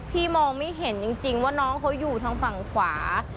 พี่มองไม่เห็นจริงว่าน้องเขาอยู่ทางฝั่งขวา